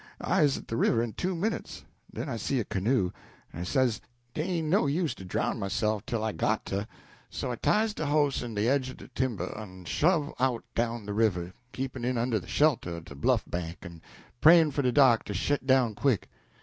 I 'uz at de river in two minutes. Den I see a canoe, en I says dey ain't no use to drown myself tell I got to; so I ties de hoss in de edge o' de timber en shove out down de river, keepin' in under de shelter o' de bluff bank en prayin' for de dark to shet down quick.